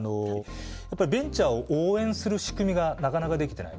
ベンチャーを応援する仕組みがなかなか出来てない。